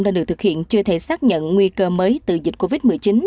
đã được thực hiện chưa thể xác nhận nguy cơ mới từ dịch covid một mươi chín